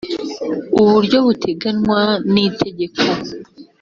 uburyo buteganywa n’itegeko